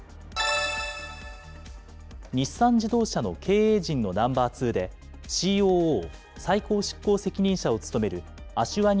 日産自動車の経営陣のナンバー２で、ＣＯＯ・最高執行責任者を務めるアシュワニ